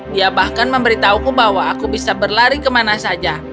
dia bahkan memberitahuku bahwa aku bisa berlari kemana saja